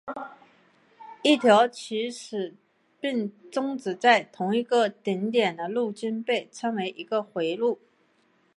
一条起始并终止在同一个顶点的路径被称为一个回路。